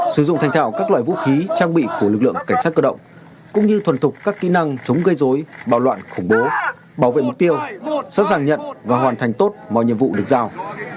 sử dụng thành thảo các loại vũ khí trang bị của lực lượng cảnh sát cơ động cũng như thuần thục các kỹ năng chống gây dối bạo loạn khủng bố bảo vệ mục tiêu sẵn sàng nhận và hoàn thành tốt mọi nhiệm vụ được giao